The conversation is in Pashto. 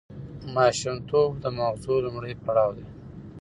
ماشومتوب د ماغزو لومړنی پړاو دی.